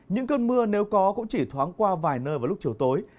những cơn mưa nếu có cũng chỉ thoáng qua vài nơi vào lúc chiều tối